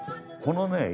このね